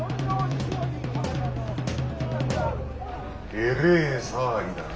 えれえ騒ぎだな。